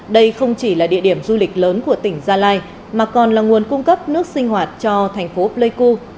đây không chỉ là địa điểm du lịch lớn của tỉnh gia lai mà còn là nguồn cung cấp nước sinh hoạt cho thành phố pleiku